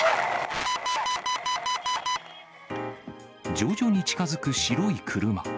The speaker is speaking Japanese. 徐々に近づく白い車。